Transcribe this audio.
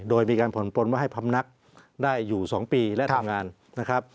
โดยมีการผ่อนปนว่าให้พำนักได้อยู่๒ปีและทำงานนะครับ